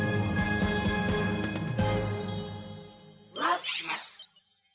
「ワープします」。